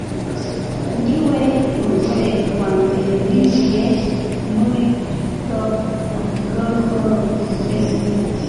niwe mugore wambere winjiye muri Rock & Roll Hall of Fame